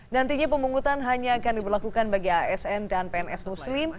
nantinya pemungutan hanya akan diberlakukan bagi asn dan pns muslim